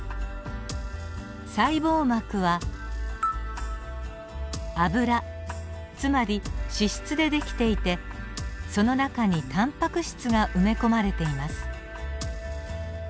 細胞膜は油つまり脂質で出来ていてその中にタンパク質が埋め込まれています。